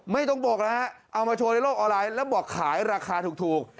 ไม่ต้องบอกนะฮะเอามาโชว์ในโลกออนไลน์แล้วบอกขายราคาถูก